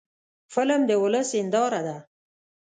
فلم د ولس هنداره ده